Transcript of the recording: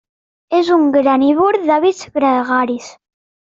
És un granívor d'hàbits gregaris.